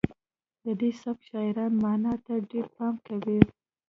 د دې سبک شاعران معنا ته ډیر پام کوي